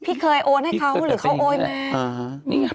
พี่เคยโอนให้เขาหรือเขาโอนมา